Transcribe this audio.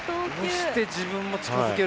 押して自分も近づけるっていう。